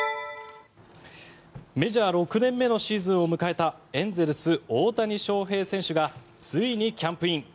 メジャー６年目のシーズンを迎えたエンゼルス、大谷翔平選手がついにキャンプイン。